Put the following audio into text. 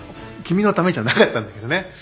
君のためじゃなかったんだけどね。